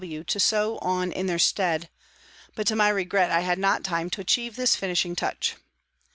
W." to sew on in their stead, but to my regret I had not time to achieve this finishing touch.